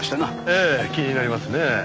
ええ気になりますね。